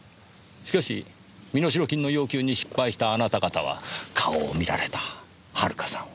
しかし身代金の要求に失敗したあなた方は顔を見られた遥さんを手にかけた。